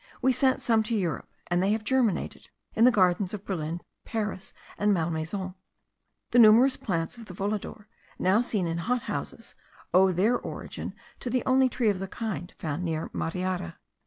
We sent some to Europe, and they have germinated in the gardens of Berlin, Paris, and Malmaison. The numerous plants of the volador, now seen in hot houses, owe their origin to the only tree of the kind found near Mariara.